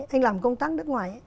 anh làm công tác nước ngoài